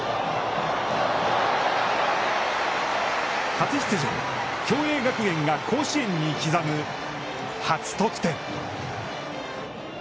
初出場、共栄学園が甲子園に刻む初得点。